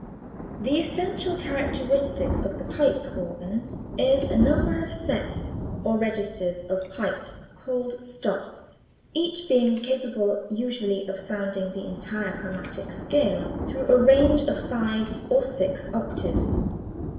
The essential characteristic of the pipe organ is a number of sets or registers of pipes called stops, each set being capable (usually) of sounding the entire chromatic scale through a range of five or six octaves.